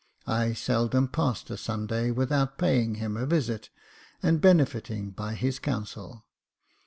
I seldom passed a Sunday without paying him a visit, and benefiting by his counsel.